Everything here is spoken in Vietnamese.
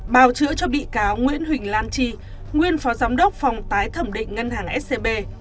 bào chữa cho bị cáo nguyễn huỳnh lan tri nguyên phó giám đốc phòng tái thẩm định ngân hàng scb